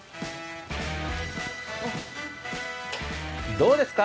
どうですか？